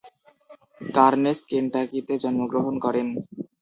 কার্নেস কেন্টাকিতে জন্মগ্রহণ করেন।